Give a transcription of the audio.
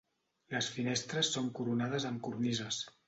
Les finestres són coronades amb cornises.